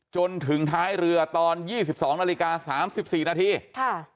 จนถึงท้ายเรือตอนยี่สิบสองนาฬิกาสามสิบสี่นาทีค่ะ